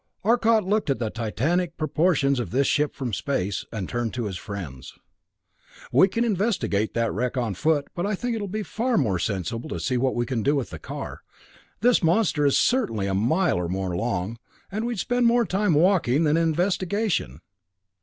Arcot looked at the titanic proportions of this ship from space, and turned to his friends: "We can investigate that wreck on foot, but I think it'll be far more sensible to see what we can do with the car. This monster is certainly a mile or more long, and we'd spend more time in walking than in investigation.